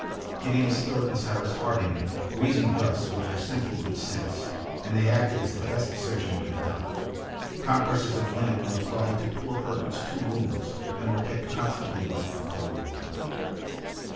Gideon Spilett and Cyrus Harding reasoned thus with their simple good sense, and they acted as the best surgeon would have done. Compresses of linen were applied to poor Herbert's two wounds, and were kept constantly wet with cold water.